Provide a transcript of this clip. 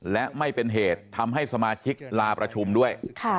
และไม่เป็นเหตุทำให้สมาชิกลาประชุมด้วย